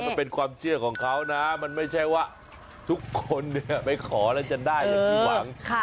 มันเป็นความเชื่อของเขานะมันไม่ใช่ว่าทุกคนไปขอแล้วจะได้อย่างที่หวัง